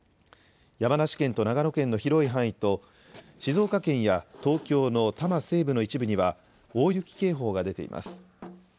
山梨県と長野県の広い範囲と、静岡県や東京の多摩西部の一部には、大雪警報が出ています。